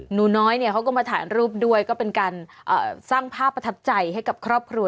หนูน้อยเนี่ยเขาก็มาถ่ายรูปด้วยก็เป็นการสร้างภาพประทับใจให้กับครอบครัว